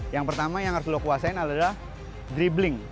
yang pertama yang harus lo kuasain adalah dribbling